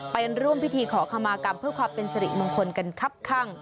ไปร่วมพิธีขอขมากรรมเพื่อความเป็นสิริมงคลกันครับข้าง